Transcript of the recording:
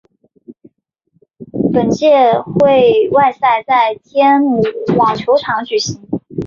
本届会外赛在天母网球场进行。